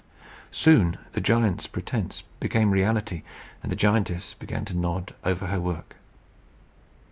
Soon the giant's pretence became reality, and the giantess began to nod over her work.